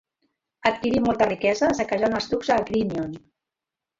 Adquirí molta riquesa saquejant els turcs a Agrínion.